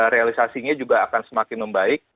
realisasinya juga akan semakin membaik